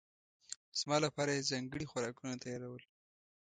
زما لپاره یې ځانګړي خوراکونه تيارول.